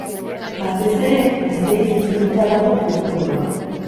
Batez ere, gazteei zuzenduta dago protokoloa.